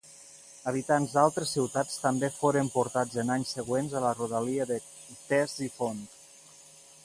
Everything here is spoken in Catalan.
Habitants d'altres ciutats també foren portats en anys següents a la rodalia de Ctesifont.